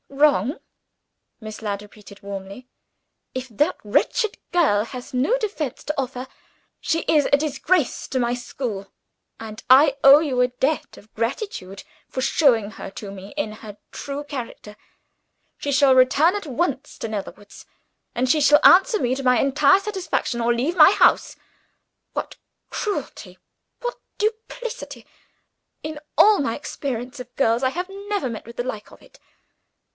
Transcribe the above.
"Wrong?" Miss Ladd repeated warmly. "If that wretched girl has no defense to offer, she is a disgrace to my school and I owe you a debt of gratitude for showing her to me in her true character. She shall return at once to Netherwoods; and she shall answer me to my entire satisfaction or leave my house. What cruelty! what duplicity! In all my experience of girls, I have never met with the like of it.